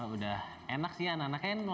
udah enak sih anak anaknya